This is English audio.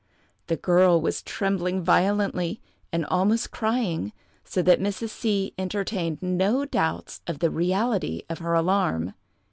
The girl was trembling violently, and almost crying, so that Mrs. C—— entertained no doubts of the reality of her alarm.